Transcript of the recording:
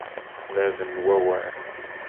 Bab n wawal